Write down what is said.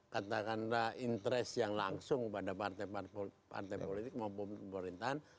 katakanlah interest yang langsung pada partai partai politik maupun pemerintahan